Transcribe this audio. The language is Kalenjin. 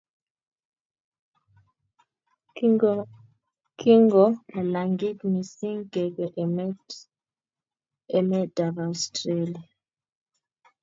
Kingolalangit mising kebe emetab Australia